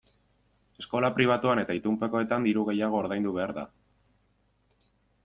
Eskola pribatuan eta itunpekoetan diru gehiago ordaindu behar da.